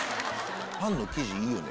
パンの生地いいよね。